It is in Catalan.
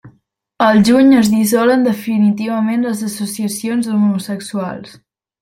Al juny es dissolen definitivament les associacions d'homosexuals.